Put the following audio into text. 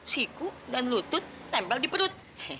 siku dan lutut tempel di perut